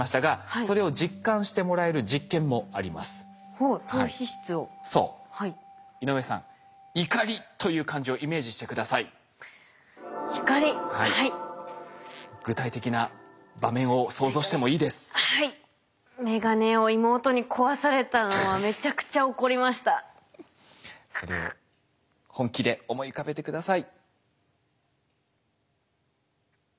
それを本気で思い浮かべて下さい。